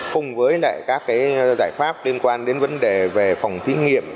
cùng với lại các cái giải pháp liên quan đến vấn đề về phòng thí nghiệm